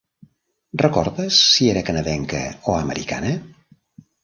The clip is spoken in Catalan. Recordes si era canadenca, o americana?